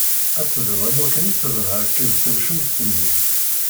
Ad teḍru am wakken i teḍra akked temcumt-nni